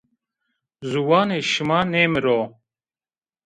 Ziwanê şima nêmiro